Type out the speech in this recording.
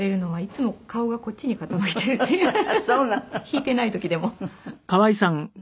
弾いていない時でも。